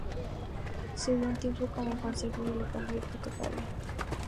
Sirvió un tiempo como consejero de la Caja Hipotecaria.